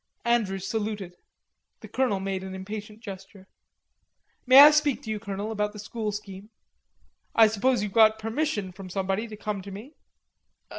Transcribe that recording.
Andrews saluted. The colonel made an impatient gesture. "May I speak to you, Colonel, about the school scheme?" "I suppose you've got permission from somebody to come to me."